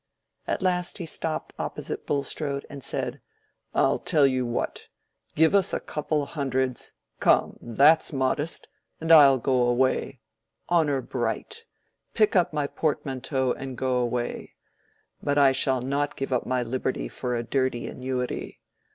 At last he stopped opposite Bulstrode, and said, "I'll tell you what! Give us a couple of hundreds—come, that's modest—and I'll go away—honor bright!—pick up my portmanteau and go away. But I shall not give up my liberty for a dirty annuity.